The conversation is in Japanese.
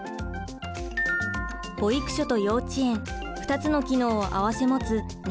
保育所と幼稚園２つの機能を併せ持つ認定こども園。